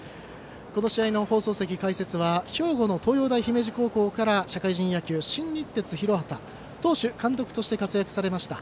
この試合の解説席は兵庫の東洋大姫路高校から社会人野球、新日鉄広畑投手、監督として活躍されました。